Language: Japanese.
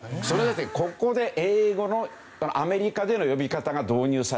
ここで英語のアメリカでの呼び方が導入されたって事なんですね。